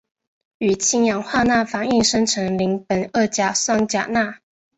与氢氧化钠反应生成邻苯二甲酸钾钠。